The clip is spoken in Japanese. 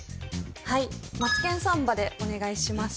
はい「マツケンサンバⅡ」でお願いします